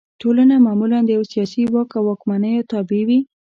ټولنه معمولا د یوه سیاسي واک او واکمنو تابع وي.